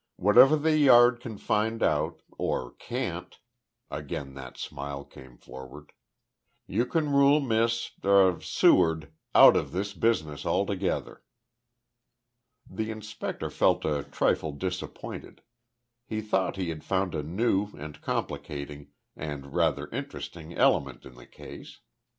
Whatever the Yard can find out or can't," again that smile came forward, "you can rule Miss er Seward out of this business altogether." The inspector felt a trifle disappointed. He thought he had found a new, and complicating, and rather interesting element in the case.